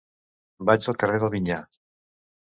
Vaig al carrer del Vinyar.